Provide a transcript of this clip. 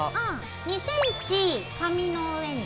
２ｃｍ紙の上に。